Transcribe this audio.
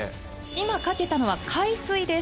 今かけたのは海水です